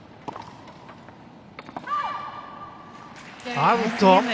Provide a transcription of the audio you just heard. アウト。